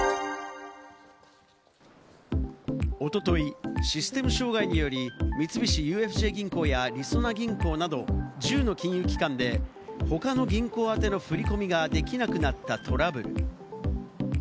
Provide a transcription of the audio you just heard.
おととい、システム障害により三菱ＵＦＪ銀行や、りそな銀行など、１０の金融機関で他の銀行宛ての振り込みができなくなったトラブル。